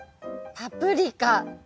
パプリカ。